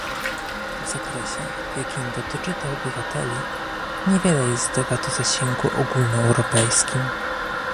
W zakresie, w jakim dotyczy to obywateli, niewiele jest debat o zasięgu ogólnoeuropejskim